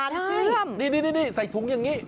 นี่ใส่ถุงอย่างงี้